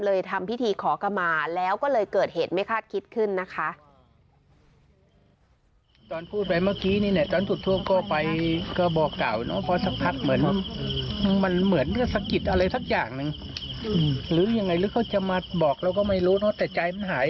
ทำพิธีขอขมาแล้วก็เลยเกิดเหตุไม่คาดคิดขึ้นนะคะ